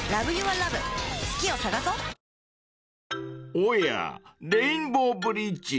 ［おやレインボーブリッジ。